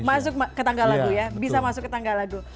masuk ke tanggal lagu ya bisa masuk ke tanggal lagu